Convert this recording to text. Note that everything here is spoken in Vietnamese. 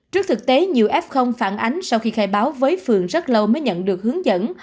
trước thực tế nhiều f phản ánh sau khi khai báo với phường rất lâu mới nhận được hướng dẫn